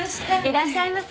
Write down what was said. いらっしゃいませ。